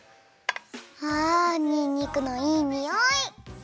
あにんにくのいいにおい！